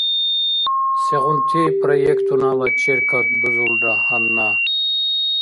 Сегъунти проектунала черкад дузулра гьанна?